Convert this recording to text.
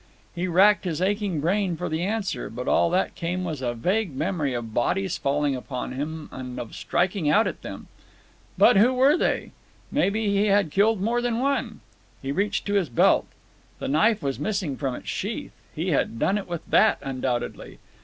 He racked his aching brain for the answer, but all that came was a vague memory of bodies falling upon him and of striking out at them. Who were they? Maybe he had killed more than one. He reached to his belt. The knife was missing from its sheath. He had done it with that undoubtedly.